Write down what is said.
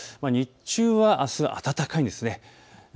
日中はあす暖かいんですね。